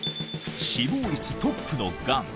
死亡率トップのガン